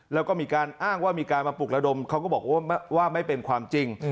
แล้วก็มีการอ้างว่ามีการมาปลุกระดมเขาก็บอกว่าไม่เป็นความจริง